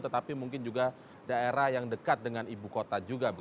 tetapi mungkin juga daerah yang dekat dengan ibukota juga